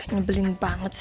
nyebelin banget sih